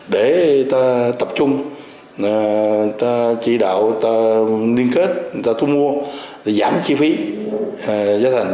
để ta tập trung ta chỉ đạo ta liên kết ta thu mua để giảm chi phí gia thành